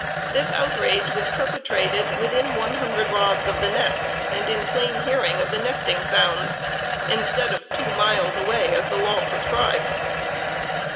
This outrage was perpetrated within 100 rods of the nests and in plain hearing of the nesting sounds, instead of two miles away, as the law prescribes.